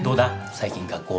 最近学校は。